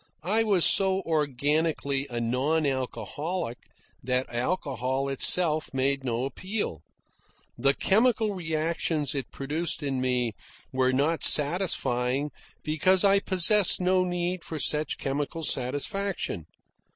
I was so organically a non alcoholic that alcohol itself made no appeal; the chemical reactions it produced in me were not satisfying because I possessed no need for such chemical satisfaction.